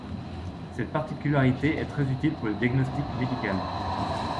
Cette particularité est très utile pour le diagnostic médical.